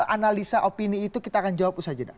analisa opini itu kita akan jawab usaha jeda